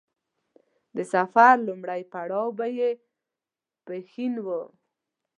د سفر لومړی پړاو به يې پښين و.